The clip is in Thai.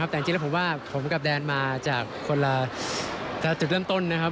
แต่จริงแล้วผมว่าผมกับแดนมาจากคนละจุดเริ่มต้นนะครับ